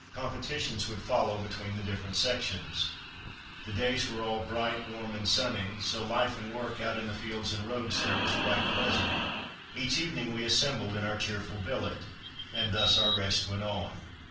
Competitions would follow between the different sections. The days were all bright, warm and sunny, so life and work out in the fields and roads there was quite pleasant. Each evening we assembled in our cheerful billet, and thus our rest went on.